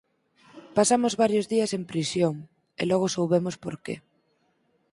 Pasamos varios días en prisión, e logo soubemos por que.